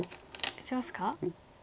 打ちますか？